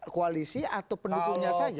koalisi atau pendukungnya saja